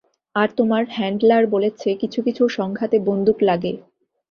আর তোমার হ্যান্ডলার বলছে কিছু কিছু সংঘাতে বন্দুক লাগে।